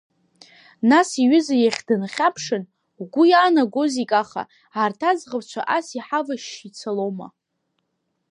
Нас иҩыза иахь дынхьаԥшын, угәы иаанагозеи, Каха, арҭ аӡӷабцәа ас иҳавашьшьы ицалома?